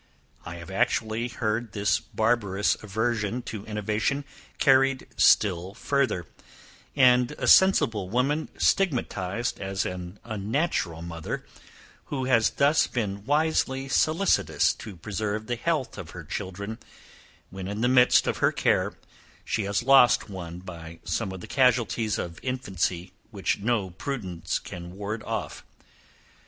I have actually heard this barbarous aversion to innovation carried still further, and a sensible woman stigmatized as an unnatural mother, who has thus been wisely solicitous to preserve the health of her children, when in the midst of her care she has lost one by some of the casualties of infancy which no prudence can ward off.